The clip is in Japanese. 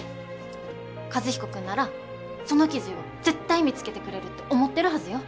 和彦君ならその記事を絶対見つけてくれるって思ってるはずよ。